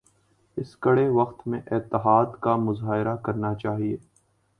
اس کڑے وقت میں اتحاد کا مظاہرہ کرنا چاہئے